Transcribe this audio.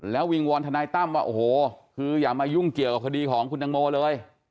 แล้ววิงวอนทนายตั้มว่าโอ้โหคืออย่ามายุ่งเกี่ยวกับคดีของคุณตังโมเลย